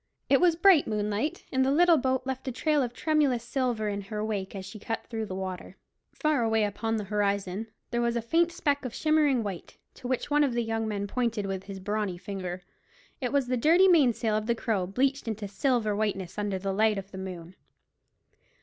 It was bright moonlight, and the little boat left a trail of tremulous silver in her wake as she cut through the water. Far away upon the horizon there was a faint speck of shimmering white, to which one of the young men pointed with his brawny finger It was the dirty mainsail of the Crow bleached into silver whiteness under the light of the moon.